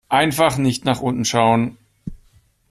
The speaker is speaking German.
Einfach nicht nach unten schauen.